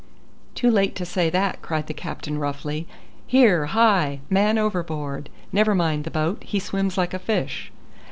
"Too late to say that," cried the captain roughly. "Here, hi! man overboard! Never mind the boat: he swims like a fish."